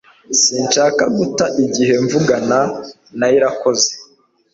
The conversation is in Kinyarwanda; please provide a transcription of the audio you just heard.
Sinshaka guta igihe mvugana na Irakoze